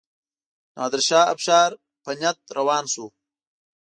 نادرشاه افشار په نیت روان شو.